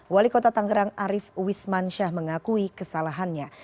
wali kota tangerang arief wismansyah mengakui kesalahannya